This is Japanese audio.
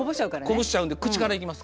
こぼしちゃうんで口から行きます。